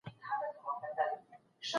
دادی حالاتو سره جنګ